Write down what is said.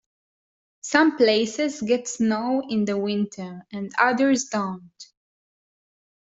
Some places get snow in the winter and others don't.